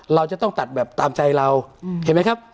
เราจะต้องตัดแบบตามใจเราเห็นไหมครับ